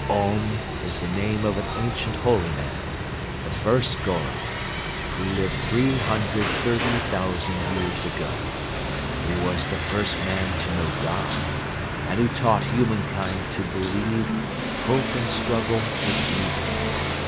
'Om' is the name of an ancient Holyman, the first Goro, who lived three hundred thirty thousand years ago. He was the first man to know God and who taught humankind to believe, hope and struggle with Evil.